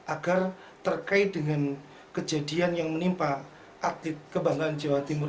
agar terkait dengan kejadian yang menimpa atlet kebanggaan jawa timur